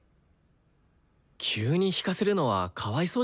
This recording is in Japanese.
急に弾かせるのはかわいそうじゃない？